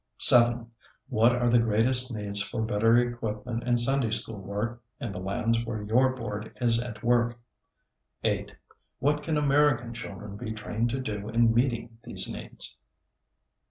7. What are the greatest needs for better equipment in Sunday School work in the lands where your Board is at work? 8. What can American children be trained to do in meeting these needs?